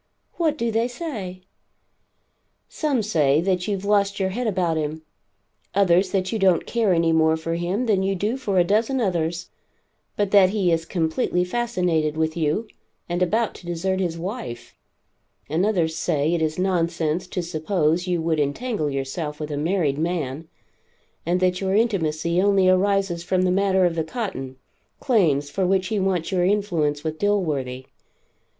"What do they say?" "Some say that you've lost your head about him; others that you don't care any more for him than you do for a dozen others, but that he is completely fascinated with you and about to desert his wife; and others say it is nonsense to suppose you would entangle yourself with a married man, and that your intimacy only arises from the matter of the cotton, claims, for which he wants your influence with Dilworthy.